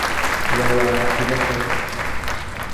লোলা ঠিক আছে?